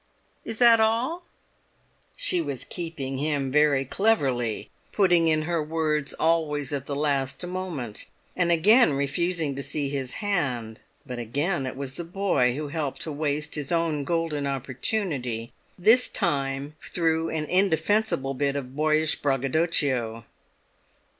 "Is that all?" She was keeping him very cleverly, putting in her word always at the last moment, and again refusing to see his hand; but again it was the boy who helped to waste his own golden opportunity, this time through an indefensible bit of boyish braggadocio.